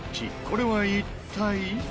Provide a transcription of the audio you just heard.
これは一体？